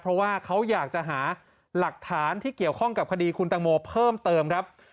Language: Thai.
เพราะว่าเขาอยากจะหาหลักฐานที่เกี่ยวข้องกับคดีคุณตังโมเพิ่มเติมครับ